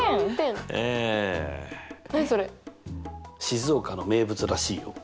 静岡の名物らしいよ。